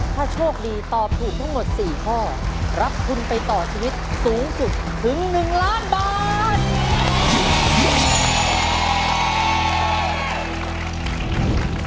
ถ้าโชคดีตอบถูกทั้งหมด๔ข้อรับทุนไปต่อชีวิตสูงสุดถึง๑ล้านบาท